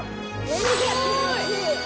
すごい！